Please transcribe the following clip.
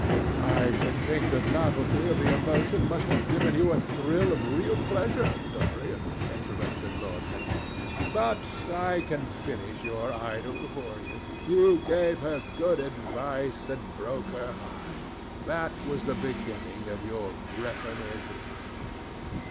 "I should think the novelty of the emotion must have given you a thrill of real pleasure, Dorian," interrupted Lord Henry. "But I can finish your idyll for you. You gave her good advice and broke her heart. That was the beginning of your reformation."